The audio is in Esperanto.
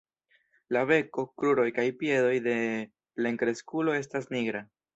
La beko, kruroj kaj piedoj de plenkreskulo estas nigraj.